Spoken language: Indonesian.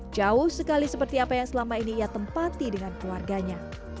jauh sekali seperti apa yang selama ini ia tempati dengan keluarganya